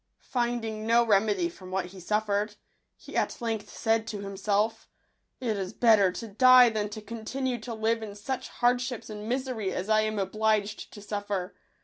Finding no remedy from what he suffered, he at length said to himself, "It is better to die than to continue tp live in such hardships and misery as I am obliged to suffer.